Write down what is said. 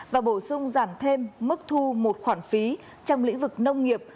và bổ sung giảm thêm mức thu một khoản phí trong lĩnh vực nông nghiệp